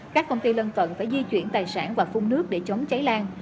các công ty lân cận phải di chuyển tài sản và phun nước để chống cháy lan